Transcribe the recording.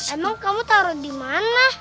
emang kamu taruh di mana